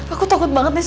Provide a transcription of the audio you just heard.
aku akan menangis